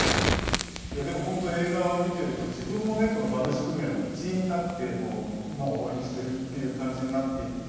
でも本当に映画を見ていると自分もこの馬主組合の一員になって馬を応援してるっていう感じになっていって